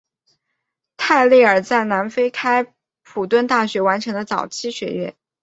泰累尔在南非开普敦大学完成了早期的学业。